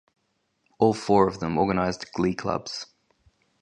All four of them organized glee clubs.